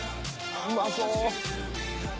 うまそう！